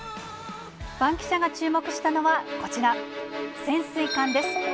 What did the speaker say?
バンキシャが注目したのはこちら、潜水艦です。